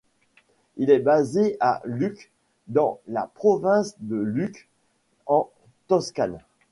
Il est basé à Lucques dans la province de Lucques, en Toscane.